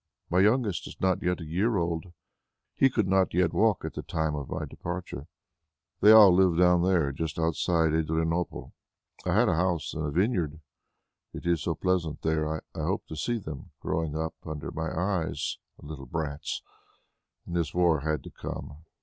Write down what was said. My youngest is not yet a year old; he could not yet walk at the time of my departure. They all live down there just outside Adrianople. I had a house and vineyard ... it is so pleasant there. I hoped to see them growing up under my eyes, the little brats. Then this war had to come.